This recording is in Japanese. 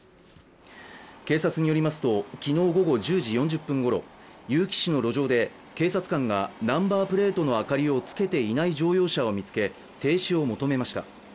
警察によりますと、昨日午後１０時４０分ごろ、結城市の路上で警察官がナンバープレートの明かりをつけていない乗用車を見つけて停止を求めました。